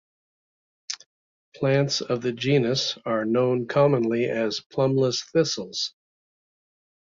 Plants of the genus are known commonly as plumeless thistles.